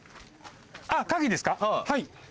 あっ鍵ですかはい。